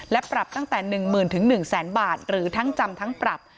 และปรับตั้งแต่๑๐๐๐๑๐๐๐บาทหรือทั้งจำทั้งปรับ